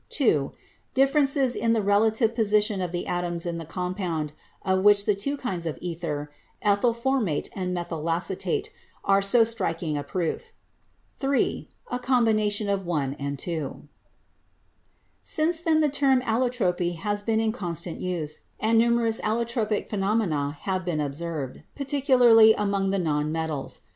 (2) Differences in the relative position of the atoms in the compound, of which the two kinds of ether (ethyl formate and methylacetate) are so striking a proof. (3) A combination of (1) and (2)." Since then the term allotropy has been in constant use, and numerous allotropic phenomena have been observed, 264 CHEMISTRY particularly among the non metals.